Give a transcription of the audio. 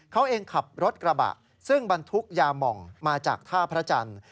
เขาเองขับรถกระบะซึ่งบรรทุกยามองมาจากท่าพระจันทร์